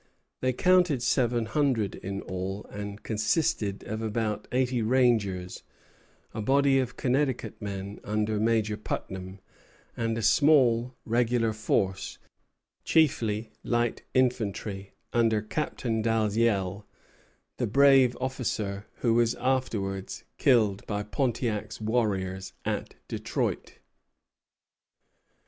They counted seven hundred in all, and consisted of about eighty rangers, a body of Connecticut men under Major Putnam, and a small regular force, chiefly light infantry, under Captain Dalzell, the brave officer who was afterwards killed by Pontiac's warriors at Detroit.